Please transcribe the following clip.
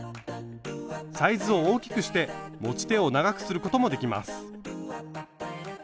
サイズを大きくして持ち手を長くすることもできます。